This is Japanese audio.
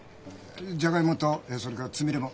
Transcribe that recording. じゃがいもとそれからつみれも。